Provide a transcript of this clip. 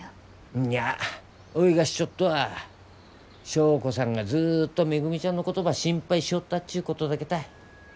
うんにゃおいが知っちょっとは祥子さんがずっとめぐみちゃんのことば心配しとったっちゅうことだけたい。